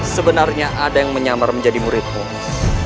sebenarnya ada yang menyamar menjadi muridmu